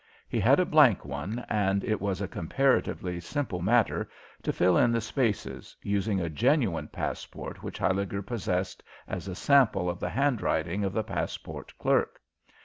He had a blank one and it was a comparatively simple matter to fill in the spaces, using a genuine passport which Huyliger possessed as a sample of the handwriting of the passport clerk.